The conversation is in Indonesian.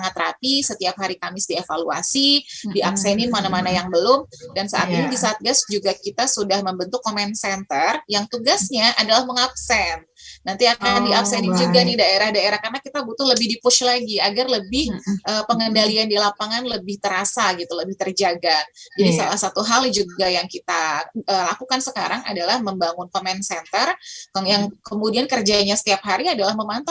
ada tujuh puluh dua puluh empat persen kelurahan dan desa di gorontalo lima puluh sembilan persen kelurahan dan desa di sumatera barat